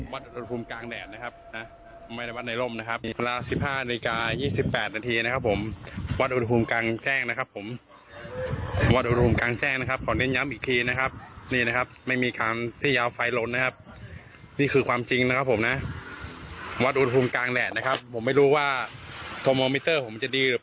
วัดอุณหภูมิกลางแดดนะครับนะไม่ได้วัดในร่มนะครับมีเวลาสิบห้านาฬิกา๒๘นาทีนะครับผมวัดอุณหภูมิกลางแจ้งนะครับผมวัดอุณหภูมิกลางแจ้งนะครับขอเน้นย้ำอีกทีนะครับนี่นะครับไม่มีคำที่ยาวไฟลนนะครับนี่คือความจริงนะครับผมนะวัดอุณหภูมิกลางแดดนะครับผมไม่รู้ว่าโทรโมมิเตอร์ผมจะดี